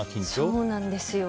そうなんですよ。